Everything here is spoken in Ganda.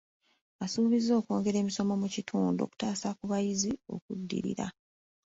Asuubiza okwongera emisomo mu kitundu, okutaasa ku biyinza okuddirira.